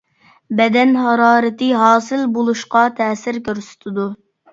بەدەن ھارارىتى ھاسىل بولۇشقا تەسىر كۆرسىتىدۇ.